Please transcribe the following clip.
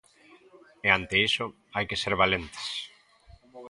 E ante iso, hai que ser valentes.